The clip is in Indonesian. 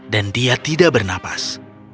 dan dia tidak bernafas